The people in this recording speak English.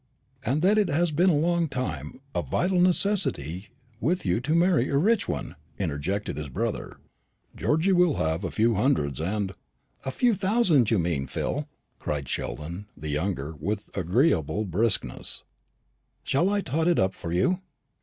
"And that it has been for a long time a vital necessity with you to marry a rich one," interjected his brother. "Georgy will have a few hundreds, and " "A few thousands, you mean, Phil," cried Sheldon the younger with agreeable briskness; "shall I tot it up for you?"